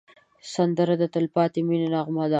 سندره د تل پاتې مینې نغمه ده